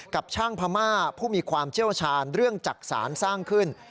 กับช่างพม่าผู้มีความเชี่ยวชาญเรื่องจักษานสร้างขึ้น